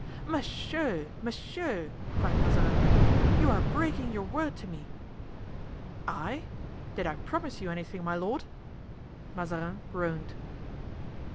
"Monsieur, monsieur," cried Mazarin, "you are breaking your word to me!" "I—did I promise you anything, my lord?" Mazarin groaned.